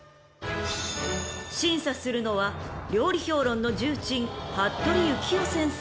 ［審査するのは料理評論の重鎮］